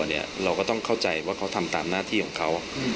เราก็ต้องเข้าใจว่าเขาทำตามหน้าที่ของเขา